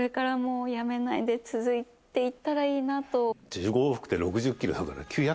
１５往復で６０ｋｇだから森川）